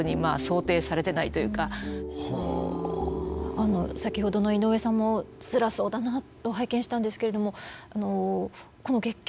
あの先ほどの井上さんもつらそうだなと拝見したんですけれどもこの月経